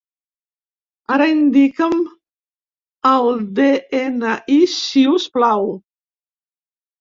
Ara indica'm el de-ena-i, si us plau.